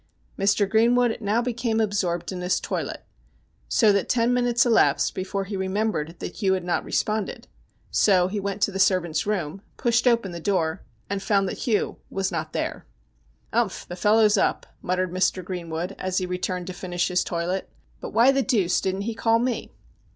Mr. Greenwood now became absorbed in his toilet, so that ten minutes elapsed before he remembered that Hugh had not responded, so he went to the servant's room, pushed open the door, and found that Hugh was not there. N 178 STORIES WEIRD AND WONDERFUL ' Umpli ! the fellow's up,' muttered Mr. Greenwood, as he returned to finish his toilet, ' but why the deuce didn't he call me